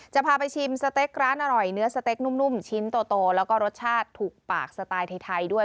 จะพาไปชิมสเต็กร้านอร่อยเนื้อสเต็กนุ่มชิ้นโตแล้วก็รสชาติถูกปากสไตล์ไทยด้วย